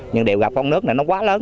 nhưng điều gặp con nước này nó quá lớn